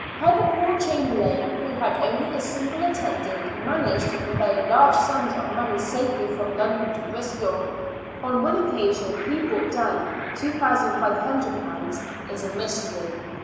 How the poor Chamberlain, who had only a single attendant, managed to convey large sums of money safely from London to Bristol (on one occasion he brought down ;^2,5oo) is a mystery.